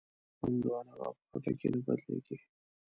هندوانه په خټکي نه بدلېږي.